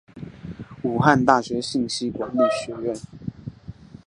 武汉大学信息管理学院